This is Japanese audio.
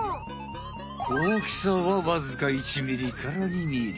大きさはわずか１ミリから２ミリ。